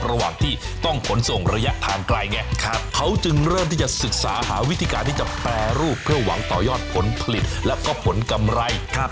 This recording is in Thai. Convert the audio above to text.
ระหว่างที่ต้องขนส่งระยะทางไกลไงเขาจึงเริ่มที่จะศึกษาหาวิธีการที่จะแปรรูปเพื่อหวังต่อยอดผลผลิตแล้วก็ผลกำไร